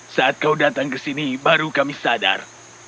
saat kau datang ke sini baru kami sadar